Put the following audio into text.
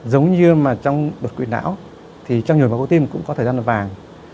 giống như trong bột quỷ não thì trong nhồi máu cơ tim cũng có thời gian là vàng